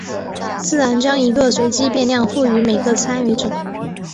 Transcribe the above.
自然将一个随机变量赋予每个参与者。